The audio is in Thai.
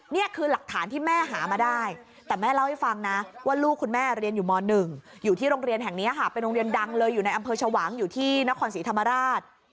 นี่คือหลักฐานที่แม่หามาได้แต่แม่เล่าให้ฟังนะว่าลูกคุณแม่เรียนอยู่ม๑อยู่ที่โรงเรียนแห่งนี้ค่ะเป็นโรงเรียนดังเลยอยู่ในอำเภอชวางอยู่ที่นครศรีธรรมราช